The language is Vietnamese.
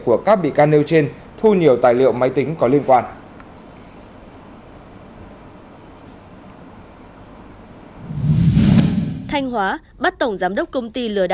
của các bị can nêu trên thu nhiều tài liệu máy tính có liên quan